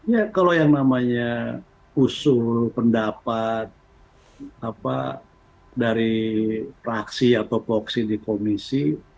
ya kalau yang namanya usul pendapat dari fraksi atau voksi di komisi